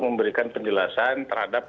memberikan penjelasan terhadap